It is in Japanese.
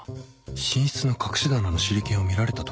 寝室の隠し棚の手裏剣を見られたとか？